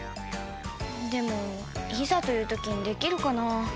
でもいざという時にできるかな？